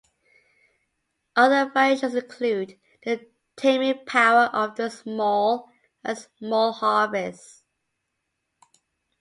Other variations include "the taming power of the small" and "small harvest".